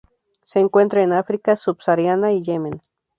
Se encuentra en África subsahariana y Yemen.